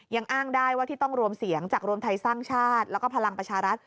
ยังอ้างได้ว่าที่ต้องรวมเสียงจากรวมไทยสร้างชาติแล้วก็พลังประชารัฐ